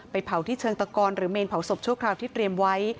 เผาที่เชิงตะกอนหรือเมนเผาศพชั่วคราวที่เตรียมไว้